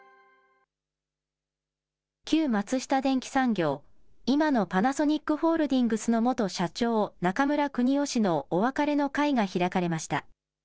旧松下電器産業、今のパナソニックホールディングスの元社長、中村邦夫氏のお別れの会が開かれました。